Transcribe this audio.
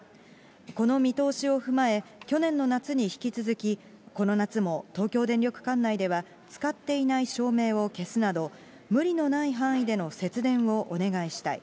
この見通しを踏まえ、去年の夏に引き続き、この夏も東京電力管内では、使っていない照明を消すなど、無理のない範囲での節電をお願いしたい。